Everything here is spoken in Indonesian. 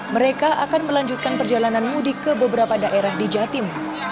mereka akan melanjutkan perjalanan mudik ke beberapa daerah di jatim